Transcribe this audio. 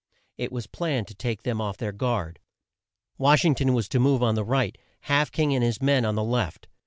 It was planned to take them off their guard. Wash ing ton was to move on the right, Half King and his men on the left.